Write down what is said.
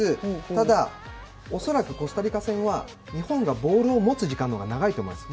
ただ、恐らくコスタリカ戦は日本のほうがボールを持つ時間が長いと思います。